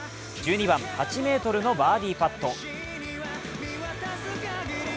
１２番、８ｍのバーディーパット。